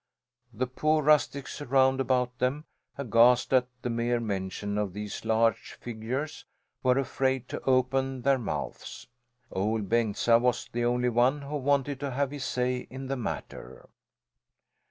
The poor rustics round about them, aghast at the mere mention of these large figures, were afraid to open their mouths. Ol' Bengtsa was the only one who wanted to have his say in the matter.